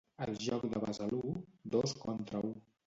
El joc de Besalú, dos contra u.